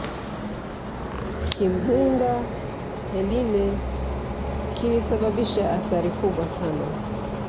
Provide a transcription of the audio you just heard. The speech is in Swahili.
kimbunga eline kilisababisha athari kubwa sana